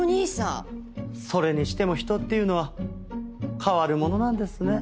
それにしても人っていうのは変わるものなんですね。